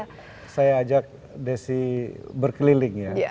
ya saya ajak desi berkeliling ya